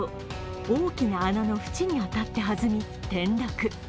大きな穴の縁に当たって弾み転落。